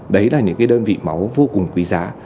đấy là những đơn vị máu vô cùng quý giá